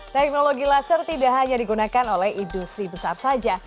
teknologi laser tidak hanya digunakan oleh industri besar saja